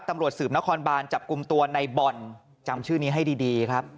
ตำรวจสืบนครบานจับกลุ่มตัวในบ่อนจำชื่อนี้ให้ดีครับ